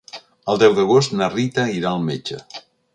El deu d'agost na Rita irà al metge.